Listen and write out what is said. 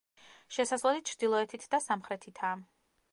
შესასვლელი ჩრდილოეთით და სამხრეთითაა.